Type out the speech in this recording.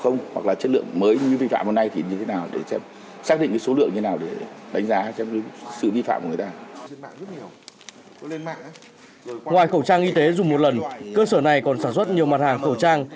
ngoài khẩu trang y tế dùng một lần cơ sở này còn sản xuất nhiều mặt hàng khẩu trang